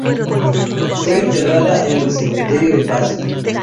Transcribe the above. Fue enterrada en el Cementerio de Passy.